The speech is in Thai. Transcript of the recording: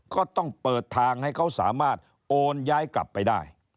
ก็ต้องเปิดทางให้เขาสามารถโอนย้ายกลับไปได้